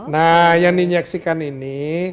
nah yang diinjeksikan ini